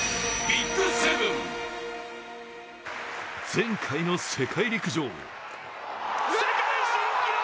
前回の世界陸上。